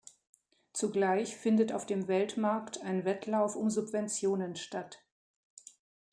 Zugleich findet auf dem Weltmarkt ein Wettlauf um Subventionen statt.